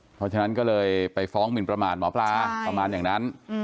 เพราะฉะนั้นก็เลยไปฟ้องหมินประมาทหมอปลาประมาณอย่างนั้น